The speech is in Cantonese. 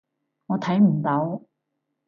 我睇唔到